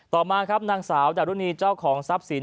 ต่อมาครับนางสาวจารุณีเจ้าของทรัพย์สิน